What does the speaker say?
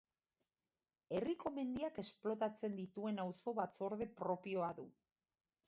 Herriko mendiak esplotatzen dituen auzo batzorde propioa du.